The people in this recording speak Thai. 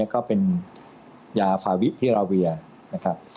ก็เป็นยาฟาวิพิราเวียนะครับ